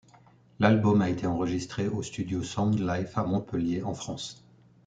L'album a été enregistré au studio SoundLife à Montpellier en France.